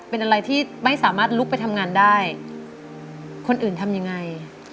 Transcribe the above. เป็นอะไรที่ไม่สามารถลุกไปทำงานได้คนอื่นทำยังไง